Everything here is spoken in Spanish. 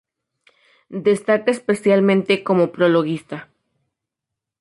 Destaca especialmente como prologuista.